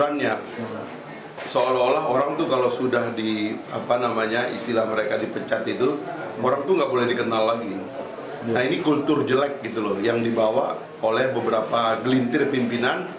nah ini kultur jelek gitu loh yang dibawa oleh beberapa gelintir pimpinan